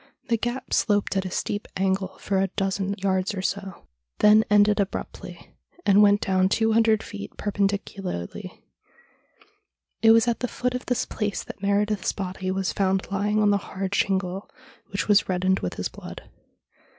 The gap sloped at a steep angle for a dozen yards or so, then ended abruptly, and went down two hundred feet perpendicularly. It was at the foot of this place that Meredith's body was found lying on the hard shingle, which was reddened with his blood.